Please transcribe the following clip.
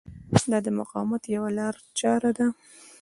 دا د مقاومت یوه لارچاره ده.